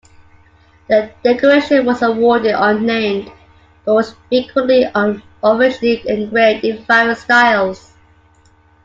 The decoration was awarded unnamed, but was frequently unofficially engraved in various styles.